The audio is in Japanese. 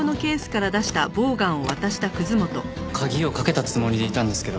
鍵をかけたつもりでいたんですけど。